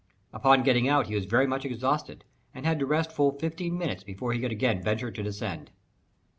Upon getting out he was very much exhausted, and had to rest full fifteen minutes before he could again venture to descend.